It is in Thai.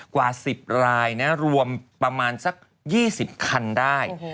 กว่า๑๐รายนะรวมประมาณสัก๒๐คันได้